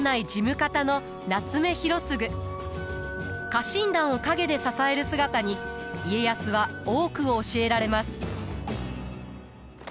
家臣団を陰で支える姿に家康は多くを教えられます。